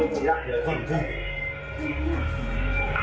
ไอ้หนุ่มก็เป็นตรงนี้ไง